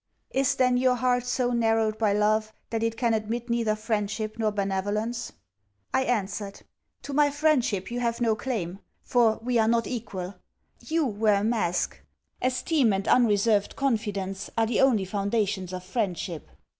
'Is then your heart so narrowed by love, that it can admit neither friendship nor benevolence?' I answered, 'To my friendship you have no claim; for, we are not equal. You wear a mask. Esteem and unreserved confidence are the only foundations of friendship.'